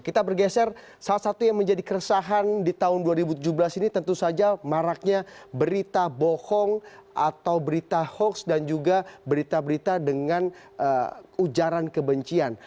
kita bergeser salah satu yang menjadi keresahan di tahun dua ribu tujuh belas ini tentu saja maraknya berita bohong atau berita hoax dan juga berita berita dengan ujaran kebencian